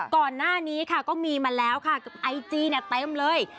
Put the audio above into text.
ก่อนหน้านี้ค่ะก็มีมาแล้วค่ะไอจีเต็มเลย